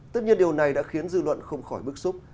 tất nhiên điều này đã khiến dư luận không khỏi bức xúc